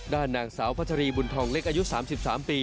ด้านนางสาวพัชรีบุญทองเล็กอายุ๓๓ปี